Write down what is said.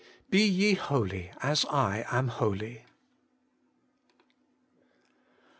BE YE HOLY, AS I AM HOLY.